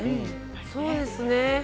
そうですね。